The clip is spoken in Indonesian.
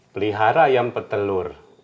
pelihara ayam petelur